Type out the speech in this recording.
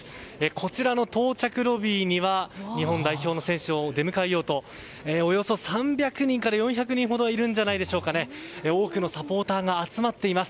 こちらの到着ロビーには日本代表の選手たちを出迎えようとおよそ３００人から４００人ほどいるんじゃないでしょうか多くのサポーターが集まっています。